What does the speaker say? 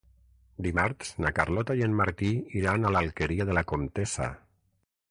Dimarts na Carlota i en Martí iran a l'Alqueria de la Comtessa.